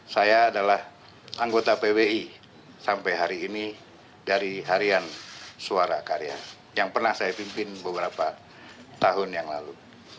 saya adalah anggota pwi sampai hari ini dari harian suara karya yang pernah saya pimpin beberapa tahun yang lalu